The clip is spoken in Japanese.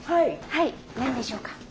はい何でしょうか。